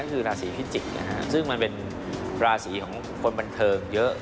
ก็คือราศีพิจิกษ์ซึ่งมันเป็นราศีของคนบันเทิงเยอะ